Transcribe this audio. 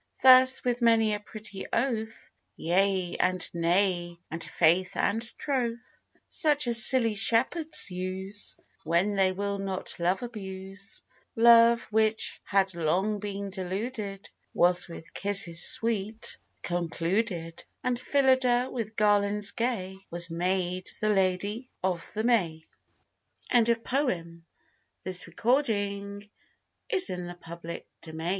Thus with many a pretty oath, Yea, and nay, and faith and troth, Such as silly shepherds use When they will not love abuse; Love, which had been long deluded, Was with kisses sweet concluded: And Phillida with garlands gay, Was made the lady of the May. Richard Breton. SHALL I COME, SWEET LOVE? Shall I c